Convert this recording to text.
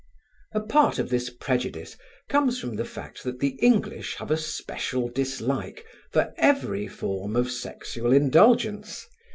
A part of this prejudice comes from the fact that the English have a special dislike for every form of sexual indulgence.